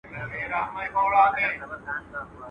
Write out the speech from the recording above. o قاضي پخپله خرې نيولې، نورو ته ئې نصيحت کاوه.